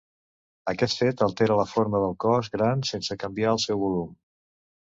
Aquest fet altera la forma del cos gran sense canviar el seu volum.